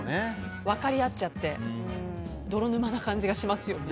分かり合っちゃって泥沼な感じがしますよね。